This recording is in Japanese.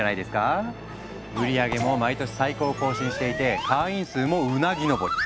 売り上げも毎年最高を更新していて会員数もうなぎ登り。